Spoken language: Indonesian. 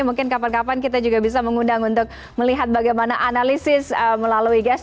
mungkin kapan kapan kita juga bisa mengundang untuk melihat bagaimana analisis melalui gas